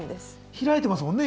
開いてますもんね